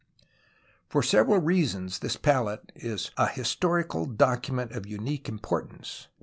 For several reasons this palette is a historical document of unique importance.